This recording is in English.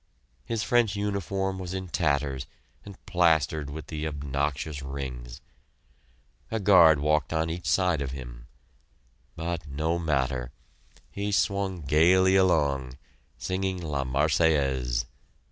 His French uniform was in tatters, and plastered with the obnoxious rings. A guard walked on each side of him. But no matter he swung gaily along, singing "La Marseillaise."